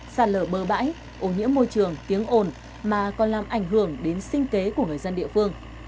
sạt lở bờ bãi ô nhiễm môi trường tiếng ồn mà còn làm ảnh hưởng đến sinh kế của người dân địa phương